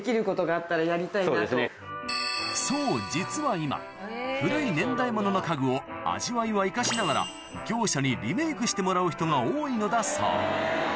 そう実は今古い年代物の家具を味わいは生かしながら業者にリメイクしてもらう人が多いのだそう